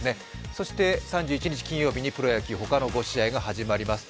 そして、３１日金曜日他の５試合が始まります。